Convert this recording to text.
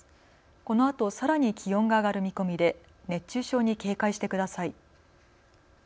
このあとさらに気温が上がる見込みで熱中症に警戒してください。